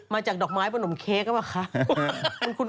มาจากดอกไม้ประนดมเค้กนี่บ้างค่ะ